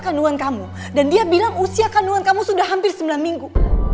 kandungan kamu dan dia bilang usia kandungan kamu sudah hampir sembilan minggu